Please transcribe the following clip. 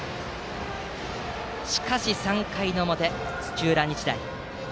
しかし３回表、土浦日大